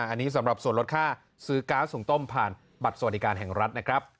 อันนี้สำหรับส่วนลดค่าซื้อก๊าซสูงต้มผ่านบัตรสวัสดิการแห่งรัฐนะครับ